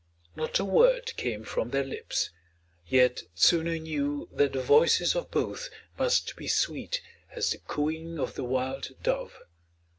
Not a word came from their lips, yet Tsunu knew that the voices of both must be sweet as the cooing of the wild dove.